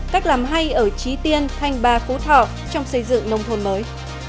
cách làm hay ở trí tiên thanh ba phú thọ trong xây dựng nông thôn mới